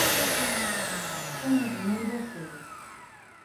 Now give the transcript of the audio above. Hemus mendotzǩedi!